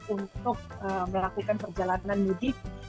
untuk melakukan perjalanan mudik